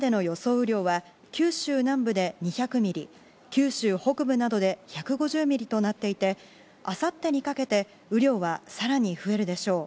雨量は九州南部で２００ミリ、九州北部などで１５０ミリとなっていてあさってにかけて雨量はさらに増えるでしょう。